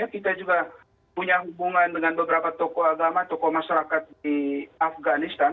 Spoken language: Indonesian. kita juga punya hubungan dengan beberapa tokoh agama tokoh masyarakat di afganistan